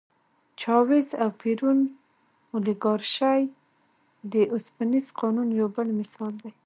چاوېز او پېرون د اولیګارشۍ د اوسپنيز قانون یو بل مثال دی.